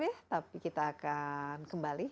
ya tapi kita akan kembali